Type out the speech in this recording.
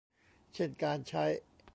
เช่นการใช้